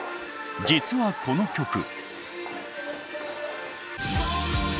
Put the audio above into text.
実はこの曲。